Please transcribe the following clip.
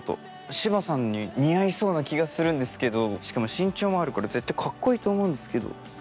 柴さんに似合いそうな気がするんですけどしかも身長もあるから絶対カッコいいと思うんですけど。